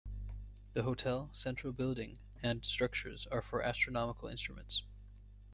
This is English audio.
The hotel, central building and structures are for astronomical instruments.